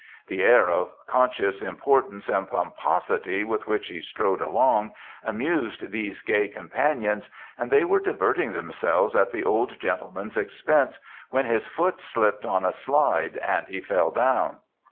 The air of conscious importance and pomposity with which he strode along, amused these gay companions, and they were diverting themselves at the old gentleman's expense, when his foot slipped on a slide, and he fell down.